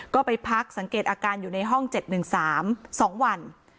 ก็ไปพักสังเกตอาการอยู่ในห้อง๗๑๓๒วัน